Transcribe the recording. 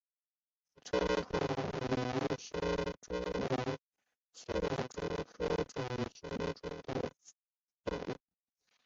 穿孔瘤胸蛛为皿蛛科瘤胸蛛属的动物。